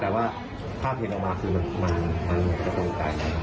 แต่ว่าถ้าคุณเห็นออกมาคืออะไรเนี่ยจะต้องการทางใด